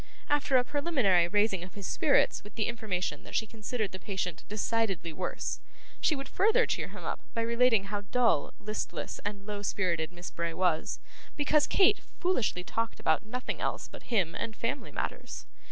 After a preliminary raising of his spirits with the information that she considered the patient decidedly worse, she would further cheer him up by relating how dull, listless, and low spirited Miss Bray was, because Kate foolishly talked about nothing else but him and family matters.